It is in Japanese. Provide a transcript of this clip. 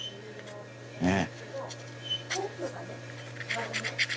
ねえ。